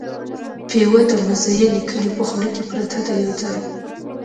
پېوه د مزینې کلي په خوله کې پرته ده یو ځای.